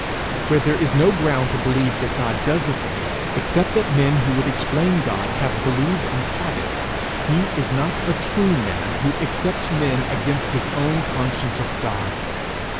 Where there is no ground to believe that God does a thing except that men who would explain God have believed and taught it, he is not a true man who accepts men against his own conscience of God.